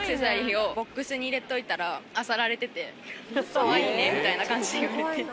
かわいいねみたいな感じで言われて。